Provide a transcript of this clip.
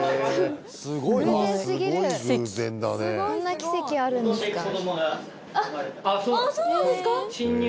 すごいですね！